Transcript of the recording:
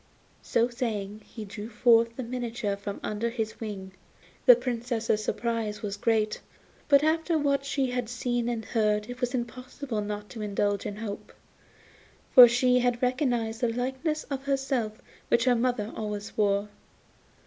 So saying he drew forth the miniature from under his wing. The Princess's surprise was great, but after what she had seen and heard it was impossible not to indulge in hope, for she had recognised the likeness of herself which her mother always wore.